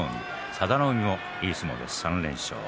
佐田の海もいい相撲で３連勝。